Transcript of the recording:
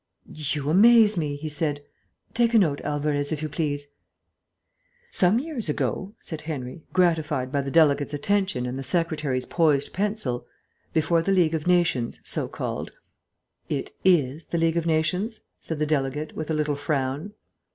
"You amaze me," he said. "Take a note, Alvarez, if you please." "Some years ago," said Henry, gratified by the delegate's attention and the secretary's poised pencil, "before the League of Nations, so called " "It is the League of Nations," said the delegate, with a little frown.